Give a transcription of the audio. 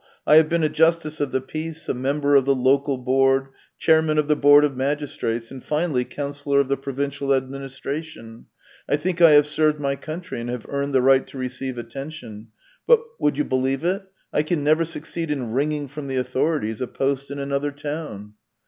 I have been a Justice of the Peace, a member of the Local Board, chairman of the Board of Magis trates, and finally councillor of the provincial administration. I think I have served my country and have earned the right to receive attention; but — would you believe it ?— I can never succeed in wringing from the authorities a post in another town.